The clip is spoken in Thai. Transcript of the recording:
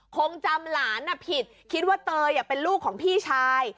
คงจำหลานผิดคิดว่าเตยเป็นลูกของพี่ชาย